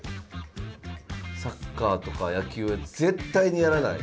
サッカーとか野球は絶対にやらない。